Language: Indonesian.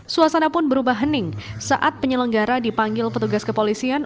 suasana pun berubah hening saat penyelenggara dipanggil petugas kepolisian